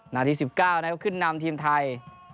นาที๑๙น่ะก็ขึ้นนำทีมไทย